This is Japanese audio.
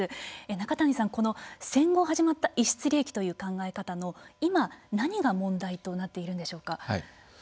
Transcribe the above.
中谷さん、この戦後始まった逸失利益という考え方の今、何が問題となっているんでしょうか。